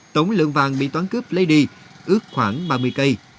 tổng lượng vàng bị toán cướp lady ước khoảng ba mươi cây